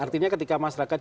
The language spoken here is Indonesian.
artinya ketika masyarakat